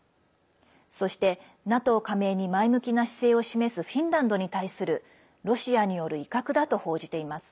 そして、ＮＡＴＯ加盟に前向きな姿勢を示すフィンランドに対するロシアによる威嚇だと報じています。